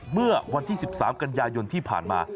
เมื่อวันที่๑๓กันยายนที่ผ่านมา